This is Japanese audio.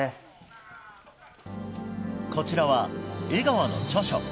こちらは江川の著書。